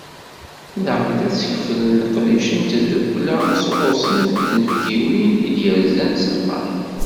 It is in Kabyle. Daɣen d asekfel n leqdic n tdukkla sɣur snat n tnebgiwin i d-yerzan s lferḥ.